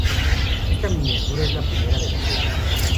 Esta miniatura es la primera de la serie.